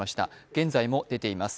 現在も出ています。